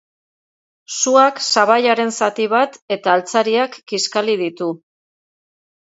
Suak sabaiaren zati bat eta altzariak kiskali ditu.